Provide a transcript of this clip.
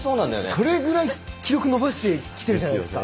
それぐらい記録伸ばしてきてるじゃないですか。